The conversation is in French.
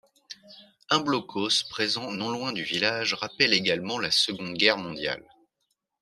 Un blockhaus présent non loin du village rappelle également la Seconde Guerre mondiale.